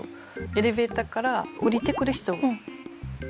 エレベーターから降りてくる人が先だよね。